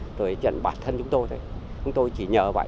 về tài sản và tính mạng người dân